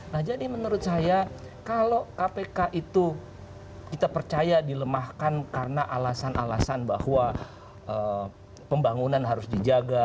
nah jadi menurut saya kalau kpk itu kita percaya dilemahkan karena alasan alasan bahwa pembangunan harus dijaga